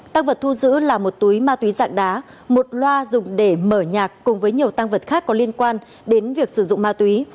tăng vật thu giữ là một túi ma túy dạng đá một loa dùng để mở nhạc cùng với nhiều tăng vật khác có liên quan đến việc sử dụng ma túy